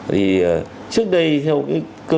thì trước đây theo cái hệ thống y tế cơ sở